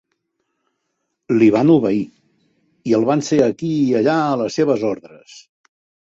Li van obeir, i el van ser aquí i allà a les seves ordres.